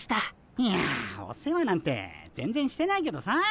いやお世話なんて全然してないけどさ。